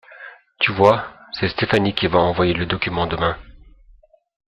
Tu vois, c'est Stéphanie qui va envoyer le document demain.